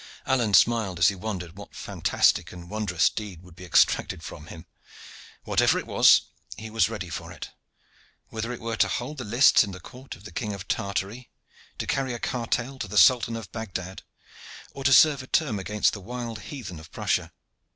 Alleyne smiled as he wondered what fantastic and wondrous deed would be exacted from him. Whatever it was, he was ready for it, whether it were to hold the lists in the court of the King of Tartary, to carry a cartel to the Sultan of Baghdad, or to serve a term against the wild heathen of Prussia.